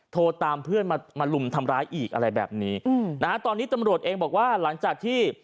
โทรตามเพื่อนมามาลุมทำร้ายอีกอะไรแบบนี้อืมนะฮะตอนนี้ตำรวจเองบอกว่าหลังจากที่